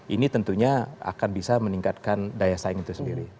ini tentunya akan bisa meningkatkan daya saing itu sendiri